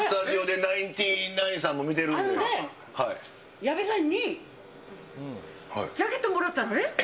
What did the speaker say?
ナインあのね、矢部さんに、ジャケットもらったのね。